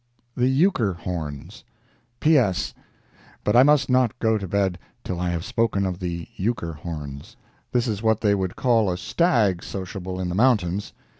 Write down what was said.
THE "EUCHRE HORNS" P.S.—But I must not go to bed till I have spoken of the "Euchre Horns." This is what they would call a "stag" sociable in the mountains.